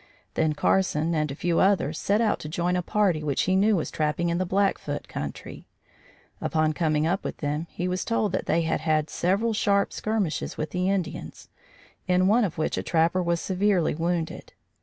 Then Carson and a few others set out to join a party which he knew was trapping in the Blackfoot country. Upon coming up with them, he was told that they had had several sharp skirmishes with the Indians, in one of which a trapper was severely wounded.